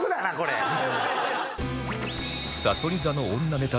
さそり座の女か！